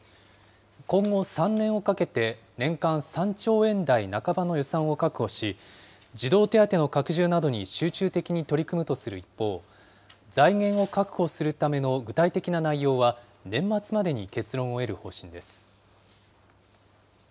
今後３年をかけて、年間３兆円台半ばの予算を確保し、児童手当の拡充などに集中的に取り組むとする一方、財源を確保するための具体的な内容は年末までに結論を得る方針です。